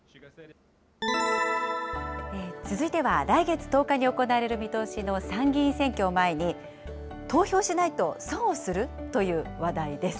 続いては来月１０日に行われる見通しの参議院選挙を前に、投票しないと損をする？という話題です。